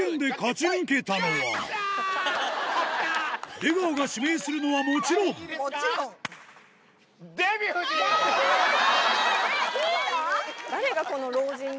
出川が指名するのは、もちろデヴィ夫人！